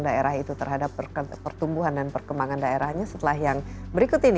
daerah itu terhadap pertumbuhan dan perkembangan daerahnya setelah yang berikut ini